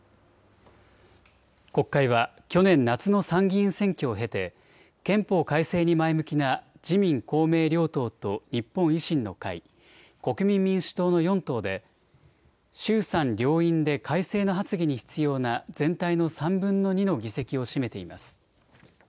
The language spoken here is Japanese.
国会は去年夏の参議院選挙を経て、憲法改正に前向きな自民、公明両党と日本維新の会、国民民主党の４党で、衆参両院で改正の発議に必要な全体の３分の２の議席を占めています。